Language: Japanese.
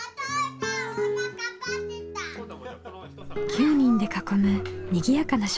９人で囲むにぎやかな食卓です。